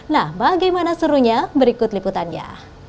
nah bagaimana serunya berikut liputannya